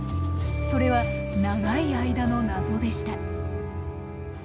それは長い間の謎でした。